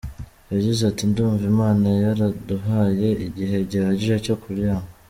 Yagize ati: “Ndumva Imana yaraduhaye igihe gihagije cyo kuryama.